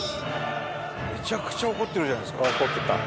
めちゃくちゃ怒ってるじゃないですか